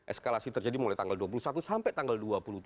eskalasi terjadi mulai tanggal dua puluh satu sampai tanggal dua puluh tiga